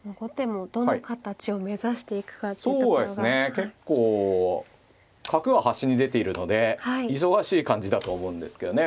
結構角は端に出ているので忙しい感じだと思うんですけどね。